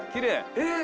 えっ？